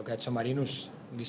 saya sedang sedih